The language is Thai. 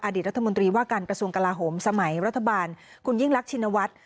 รัฐมนตรีว่าการกระทรวงกลาโหมสมัยรัฐบาลคุณยิ่งรักชินวัฒน์